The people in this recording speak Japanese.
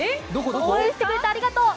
応援してくれてありがとう！